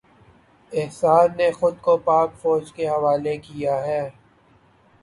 احسان نے خود کو پاک فوج کے حوالے کیا ہے